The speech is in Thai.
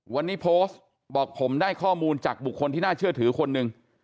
วันนี้โพสต์บอกผมได้ข้อมูลจากบุคคลที่น่าเชื่อถือคนหนึ่ง